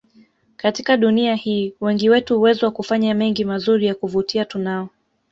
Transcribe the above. Katika dunia hii wengi wetu uwezo wa kufanya mengi mazuri ya kuvutia tunao